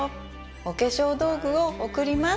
お化粧道具をおくります